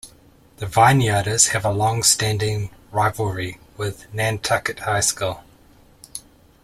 The Vineyarders have a long-standing rivalry with Nantucket High School.